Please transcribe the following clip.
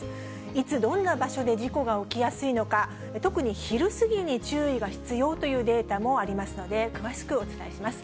いつ、どんな場所で事故が起きやすいのか、特に昼過ぎに注意が必要というデータもありますので、詳しくお伝えします。